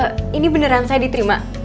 eh ini beneran saya diterima